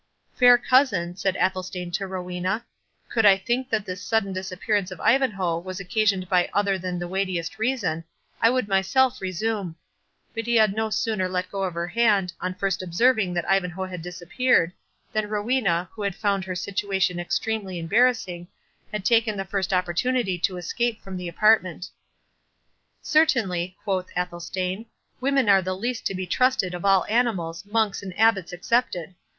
"Fair cousin," said Athelstane to Rowena, "could I think that this sudden disappearance of Ivanhoe was occasioned by other than the weightiest reason, I would myself resume—" But he had no sooner let go her hand, on first observing that Ivanhoe had disappeared, than Rowena, who had found her situation extremely embarrassing, had taken the first opportunity to escape from the apartment. "Certainly," quoth Athelstane, "women are the least to be trusted of all animals, monks and abbots excepted.